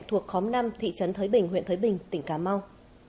thuộc khóm năm thị trấn thới bình huyện thới bình tỉnh cà mau